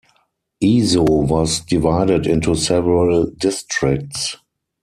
Ezo was divided into several districts.